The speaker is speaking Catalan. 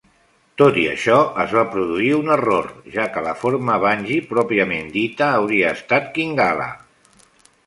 Tot i això, es va produir un error, ja que la forma bangi pròpiament dita hauria estat "Kingala".